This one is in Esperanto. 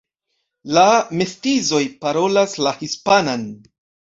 La mestizoj parolas la hispanan.